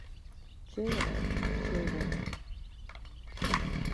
J. R. Jayewardene.